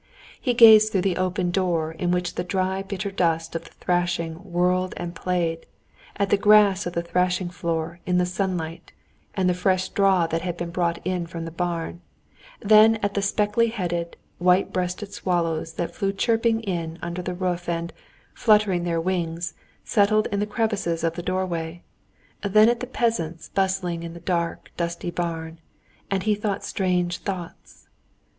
He gazed through the open door in which the dry bitter dust of the thrashing whirled and played, at the grass of the thrashing floor in the sunlight and the fresh straw that had been brought in from the barn, then at the speckly headed, white breasted swallows that flew chirping in under the roof and, fluttering their wings, settled in the crevices of the doorway, then at the peasants bustling in the dark, dusty barn, and he thought strange thoughts.